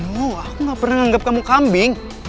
no aku gak pernah anggap kamu kambing